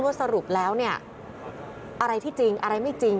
ว่าสรุปแล้วอะไรที่จริงอะไรไม่จริง